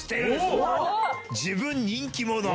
自分人気者。